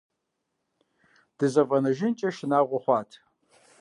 ДызэфӀэнэжынкӀэ шынагъуэ хъуат.